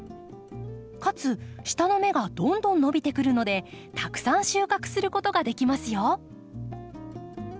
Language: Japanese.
かつ下の芽がどんどん伸びてくるのでたくさん収穫することができますよ。